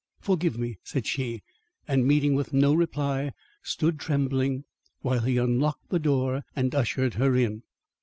"Forgive me," said she; and meeting with no reply, stood trembling while he unlocked the door and ushered her in.